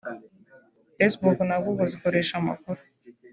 Facebook na google zikoresha amakuru